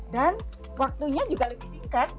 dan waktunya juga lebih tingkat